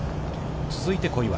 続いて、小祝。